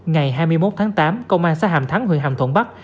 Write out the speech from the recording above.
ngày hai mươi một tháng tám công an xã hàm thắng huyện hàm thuận bắc